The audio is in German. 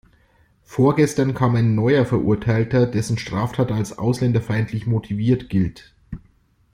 Vorgestern kam ein neuer Verurteilter, dessen Straftat als ausländerfeindlich motiviert gilt.